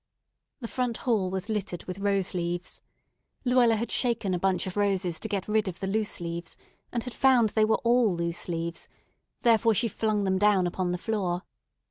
The front hall was littered with rose leaves. Luella had shaken a bunch of roses to get rid of the loose leaves, and had found they were all loose leaves; therefore she flung them down upon the floor.